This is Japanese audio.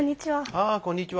ああこんにちは。